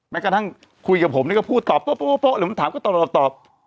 แม้กระทั่งคุยกับผมแล้วก็พูดตอบป๊อป๊อป๊อหรือมันถามก็ตอบตอบ